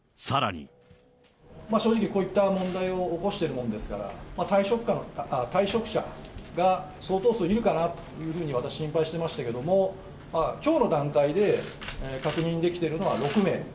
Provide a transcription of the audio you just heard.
正直、こういった問題を起こしているものですから、退職者が相当数いるかなというふうに私、心配してましたけども、きょうの段階で、確認できてるのは６名。